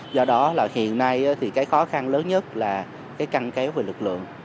do đó là hiện nay thì cái khó khăn lớn nhất là cái căng kéo về lực lượng